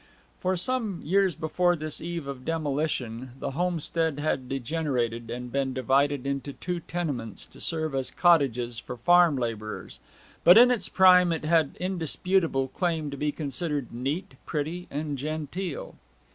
For some years before this eve of demolition the homestead had degenerated, and been divided into two tenements to serve as cottages for farm labourers; but in its prime it had indisputable claim to be considered neat, pretty, and genteel.